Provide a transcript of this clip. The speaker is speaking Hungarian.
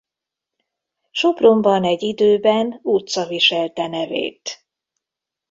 Sopronban egy időben utca viselte nevét.